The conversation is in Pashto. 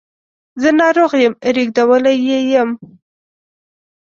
زه ناروغ یم ریږدولی یې یم